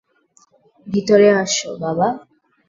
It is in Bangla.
ভিতরে আসো, বাবা।